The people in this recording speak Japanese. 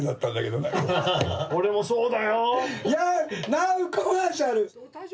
ナウコマーシャル！